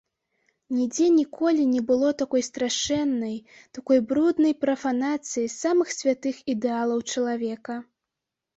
Нідзе ніколі не было такой страшэннай, такой бруднай прафанацыі самых святых ідэалаў чалавека.